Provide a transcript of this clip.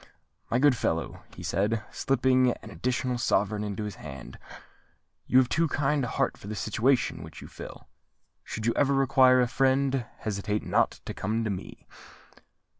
"My good fellow," he said, slipping an additional sovereign into his hand, "you have too kind a heart for the situation which you fill. Should you ever require a friend, hesitate not to come to me."